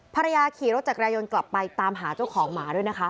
ภรรยาขี่รถจักรยานยนต์กลับไปตามหาเจ้าของหมาด้วยนะคะ